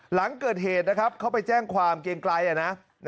หลังเกิดเหตุนะครับเขาไปแจ้งความเกียงไกล